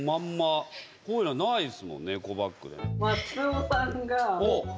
こういうのないですもんねエコバッグで。